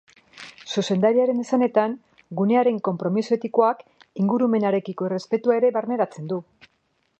Zuzendariaren esanetan, gunearen konpromiso etikoak ingurumenarekiko errespetua ere barneratzen du.